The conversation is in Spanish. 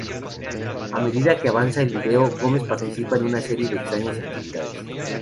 A medida que avanza el video, Gómez participa en una serie de extrañas actividades.